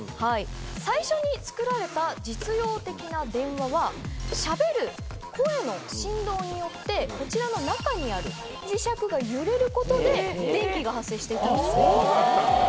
最初に作られた実用的な電話はしゃべる声の振動によってこちらの中にある磁石が揺れることで電気が発生していたんです。